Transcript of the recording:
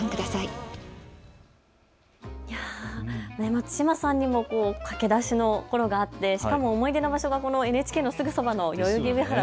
松嶋さんにも駆け出しのころがあって、しかも思い出の場所がＮＨＫのすぐ近くの代々木上原。